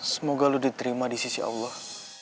semoga lo diterima di sisi allah